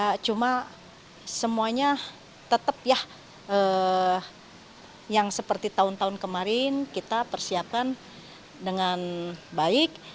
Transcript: ya cuma semuanya tetap ya yang seperti tahun tahun kemarin kita persiapkan dengan baik